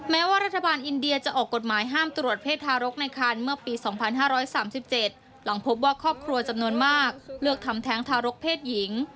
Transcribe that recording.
แม้ว่ารัฐบาลอินเดียจะออกกฎหมายห้ามตรวจเพศทารกในคันเมื่อปี๒๕๓๗หลังพบว่าครอบครัวจำนวนมากเลือกทำแท้งทารกเพศหญิง